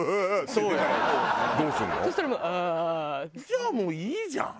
じゃあもういいじゃん。